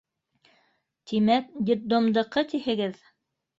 — Тимәк, детдомдыҡы тиһегеҙ.